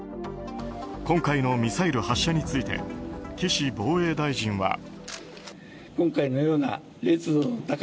今回のミサイル発射について岸防衛大臣は。